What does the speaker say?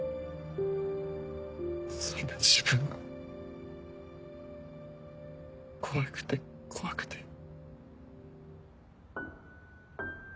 そんな自分が怖くて怖くて。